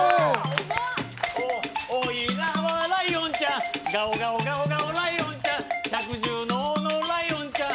おいらはライオンじゃガオガオガオ、ライオンじゃ百獣の王のライオンちゃん。